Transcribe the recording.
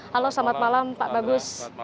halo selamat malam pak bagus